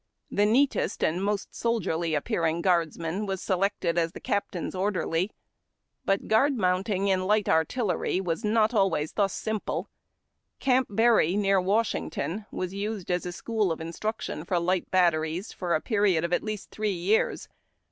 The neatest and most soldierly appearing guardsman was selected as captain's orderl}'. But guard mounting in light artillery was not always thus simple. Camp Barry, near Washington, was used as a school of instruction for light batteries, for a period of at least three years.